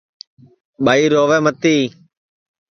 ٻائی رووے متی